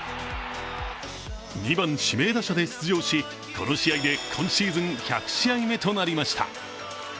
２番・指名打者で出場しこの試合で今シーズン１００試合目となりました。